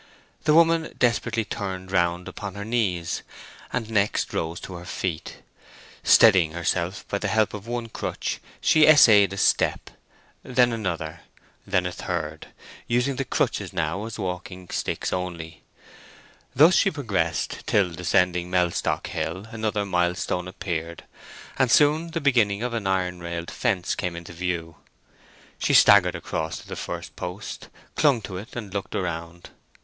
The woman desperately turned round upon her knees, and next rose to her feet. Steadying herself by the help of one crutch, she essayed a step, then another, then a third, using the crutches now as walking sticks only. Thus she progressed till descending Mellstock Hill another milestone appeared, and soon the beginning of an iron railed fence came into view. She staggered across to the first post, clung to it, and looked around.